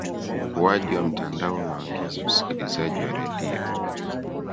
ukuaji wa mtandao umeongeza usikilizaji wa redio